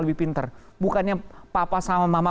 lebih pinter bukannya papa sama mama